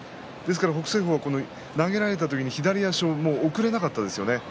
北青鵬は投げられた時に左足を送れなかったですよね。